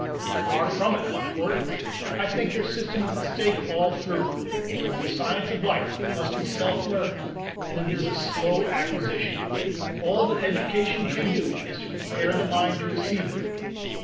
"Far from it, Harcourt. I think their system a mistake all through. The science of life must be self learned, and it is a slow acquisition. All that education can do is to prepare the mind to receive it.